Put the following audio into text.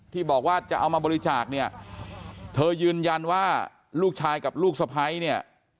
ที่บอกว่าจะเอามาบริจาคเนี่ยเธอยืนยันว่าลูกชายกับลูกสะพ้ายเนี่ย